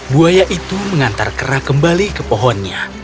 buaya itu mengantar kera kembali ke pohonnya